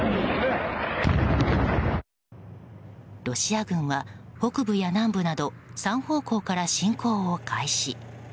ロシア軍は北部や南部など３方向から侵攻を開始。